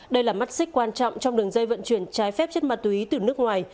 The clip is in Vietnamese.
đây là mắt xích quan trọng trong đường dây vận chuyển trái phép chất ma túy từ nước ngoài